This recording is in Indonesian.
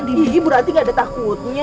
iya ini berarti gak ada takutnya